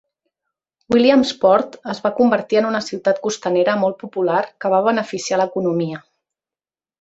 Williamsport es va convertir en una ciutat costanera molt popular que va beneficiar a l'economia.